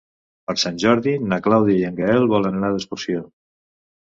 Per Sant Jordi na Clàudia i en Gaël volen anar d'excursió.